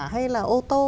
hay là ô tô